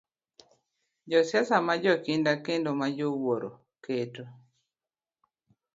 Josiasa ma jokinda kendo ma jowuoro, keto